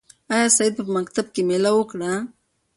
آیا سعید په مکتب کې مېله وکړه؟